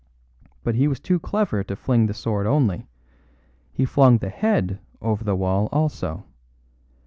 But he was too clever to fling the sword only. He flung the head over the wall also.